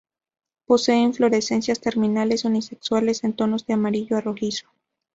Posee inflorescencias terminales unisexuales en tonos de amarillo a rojizo.